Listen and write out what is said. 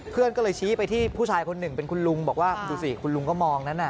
เพื่อนก็เลยชี้ไปที่ผู้ชายคนหนึ่งเป็นคุณลุงบอกว่าดูสิคุณลุงก็มองนั้น